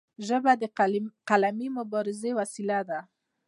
ژبه د قلمي مبارزې وسیله ده.